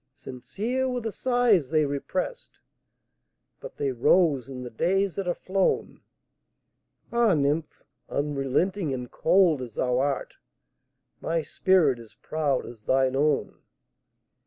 Sincere were the sighs they represt, But they rose in the days that are flown! Ah, nymph! unrelenting and cold as thou art, My spirit is proud as thine own!